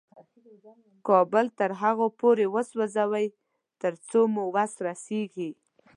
کابل تر هغو پورې وسوځوئ تر څو مو وس رسېږي.